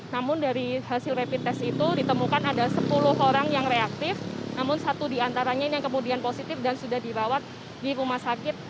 namun dari hasil rapid test itu ditemukan ada sepuluh orang yang reaktif namun satu di antaranya yang kemudian positif dan sudah dirawat di rumah sakit